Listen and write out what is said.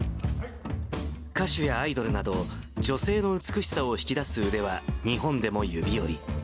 歌手やアイドルなど、女性の美しさを引き出す腕は日本でも指折り。